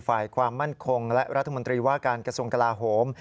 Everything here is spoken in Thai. ฝ่ายความมั่นคงและรัฐมนตรีว่าการกระทรวงกลาโหม